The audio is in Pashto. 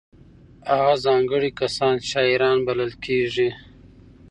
هغه ځانګړي کسان شاعران بلل کېږي.